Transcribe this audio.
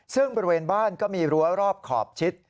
ซึ่งบริเวณบ้านก็มีรั้วรอบขอบชิด